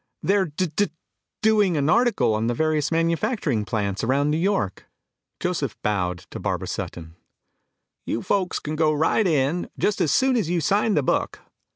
They're d d doing an article on the various manufacturing plants around New York." Joseph bowed to Barbara Sutton. "You folks can go right in, just as soon as you sign the book."